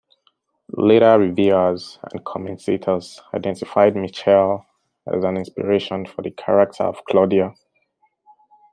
Later reviewers and commentators identified Michelle as an inspiration for the character of Claudia.